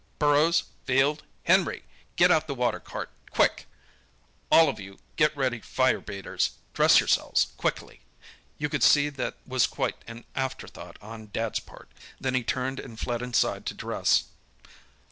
Burrows, Field, Henry! Get out the water cart—quick. All of you get ready fire beaters. Dress yourselves—quickly!' (You could see that was quite an afterthought on Dad's part.) Then he turned and fled inside to dress."